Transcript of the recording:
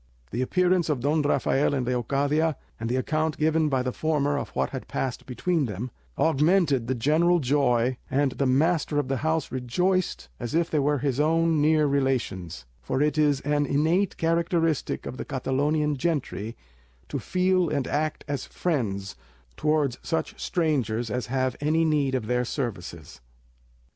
The appearance of Don Rafael and Leocadia, and the account given by the former of what had passed between them, augmented the general joy, and the master of the house rejoiced as if they were his own near relations; for it is an innate characteristic of the Catalonian gentry to feel and act as friends towards such strangers as have any need of their services.